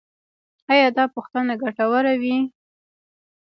ایا دا پوښتنې ګټورې وې؟